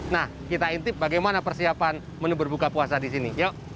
nah kita intip bagaimana persiapan menu berbuka puasa di sini yuk